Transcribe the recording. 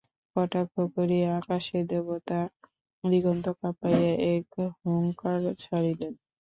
কটাক্ষ করিয়া আকাশের দেবতা দিগন্ত কাপাইয়া এক হুঙ্কার ছাড়িলেন।